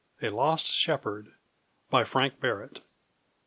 _) A LOST SHEPHERD. FRANK BARRETT.